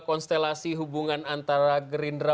konstelasi hubungan antara gerindra